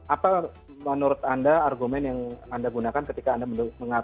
apa menurut anda argumen yang anda gunakan ketika anda mengatakan